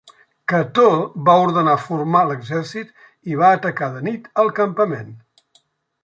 Cató va ordenar formar l'exèrcit i va atacar de nit el campament.